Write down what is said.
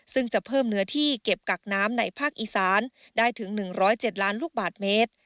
ซึ่งจะเพิ่มเนื้อที่เก็บกักน้ำในภาคอีสานได้ถึง๑๐๗ล้านลูกบาทเมตร